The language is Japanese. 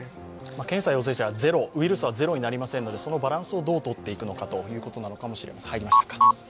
検査陽性者ゼロ、ウイルスはゼロになりませんので、そのバランスをどうとっていくのかということなのかもしれません。